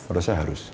perlu saya harus